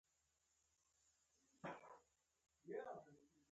د کابل په ککړه هوا کې به د انتخاباتو لارۍ همداسې پنجر ولاړه وي.